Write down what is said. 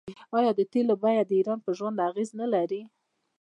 آیا د تیلو بیه د ایران په ژوند اغیز نلري؟